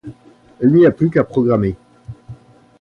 Il n'y a plus qu'à programmer.